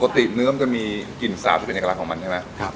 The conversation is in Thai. เนื้อมันจะมีกลิ่นสาบที่เป็นเอกลักษณ์ของมันใช่ไหม